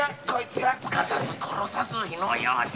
犯さず殺さず火の用心。